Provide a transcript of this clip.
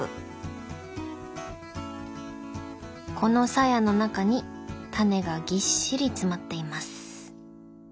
このサヤの中にタネがぎっしり詰まっています。